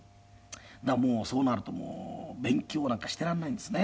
だからそうなると勉強なんかしてられないですね。